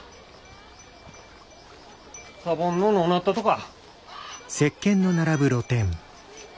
サボンののうなったとか？